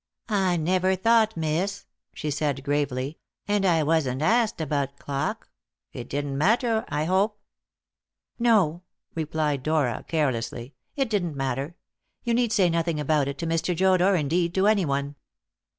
"I never thought, miss," she said gravely; "and I wasn't asked about clock. It didn't matter, I hope?" "No," replied Dora carelessly, "it didn't matter. You need say nothing about it to Mr. Joad, or, indeed, to anyone."